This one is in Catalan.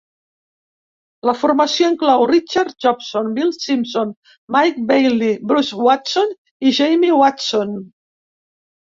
La formació inclou Richard Jobson, Bill Simpson, Mike Baillie, Bruce Watson i Jamie Watson.